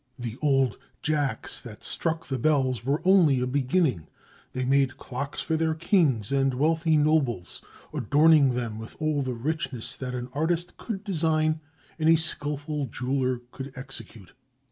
The old "Jacks" that struck the bells were only a beginning. They made clocks for their kings and wealthy nobles, adorning them with all the richness that an artist could design and a skilful jeweler execute.